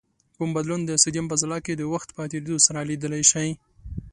کوم بدلون د سودیم په ځلا کې د وخت په تیرېدو سره لیدلای شئ؟